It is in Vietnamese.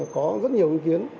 có rất nhiều ý kiến